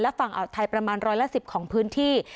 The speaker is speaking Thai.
ฝั่งอ่าวไทยประมาณร้อยละ๑๐ของพื้นที่